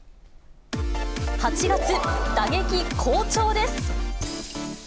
８月、打撃好調です。